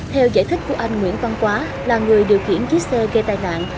theo giải thích của anh nguyễn văn quá là người điều khiển chiếc xe gây tai nạn